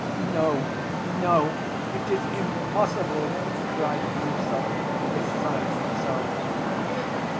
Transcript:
"No, no, it is impossible!" cried Miüsov, beside himself.